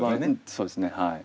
そうですねはい。